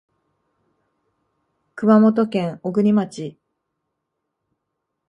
熊本県小国町